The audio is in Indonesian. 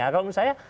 kalau menurut saya